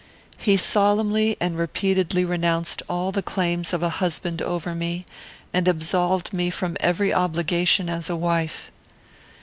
He solemnly and repeatedly renounced all the claims of a husband over me, and absolved me from every obligation as a wife.